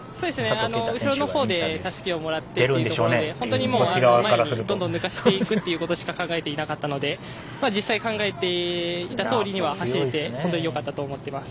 後ろのほうでたすきをもらってということで本当に前をどんどん抜かしていくことしか考えていなかったので実際考えていたとおりには走れて本当に良かったと思います。